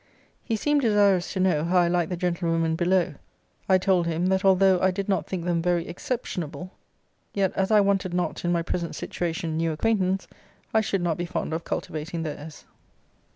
He seemed desirous to know how I liked the gentlewomen below. I told him, that although I did not think them very exceptionable; yet as I wanted not, in my present situation, new acquaintance, I should not be fond of cultivating theirs.